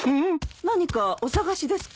何かお探しですか？